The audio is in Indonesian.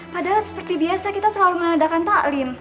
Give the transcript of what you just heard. padahal seperti biasa kita selalu mengadakan taklim